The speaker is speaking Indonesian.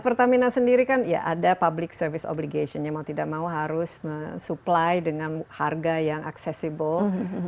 pertamina sendiri kan ya ada public service obligation yang mau tidak mau harus supply dengan harga yang accessible